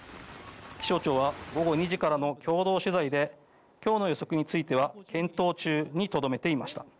気象庁は午後２時からの共同取材で今日の予測については検討中にとどめていました。